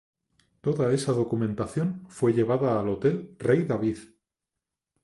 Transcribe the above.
Toda esa documentación fue llevada al Hotel Rey David.